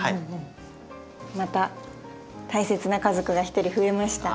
また大切な家族が１人増えました。